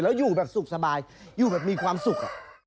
แล้วอยู่แบบสุขสบายอยู่แบบมีความสุข